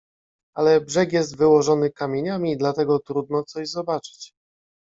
"Ale brzeg jest wyłożony kamieniami i dlatego trudno coś zobaczyć."